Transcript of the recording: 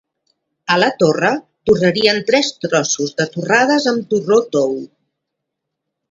A La Torre torrarien tres trossos de torrades amb torró tou.